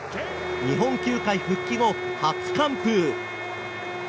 日本球界復帰後初完封。